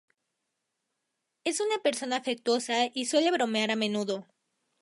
Es una persona afectuosa y suele bromear a menudo.